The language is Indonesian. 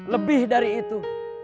lebih dari itu